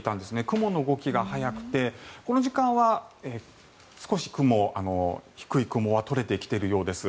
雲の動きが速くてこの時間は少し低い雲は取れてきているようです。